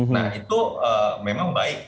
nah itu memang baik